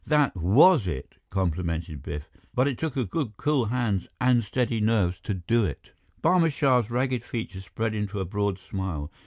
"That was it," complimented Biff, "but it took a good cool hand and steady nerves to do it." Barma Shah's ragged features spread into a broad smile.